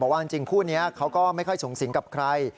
ว่าจริงคู่นี้เขาก็ไม่ค่อยสูงสิงกับใคร